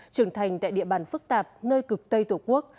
trưởng thành tại địa bàn phức tạp nơi cực tây tổ quốc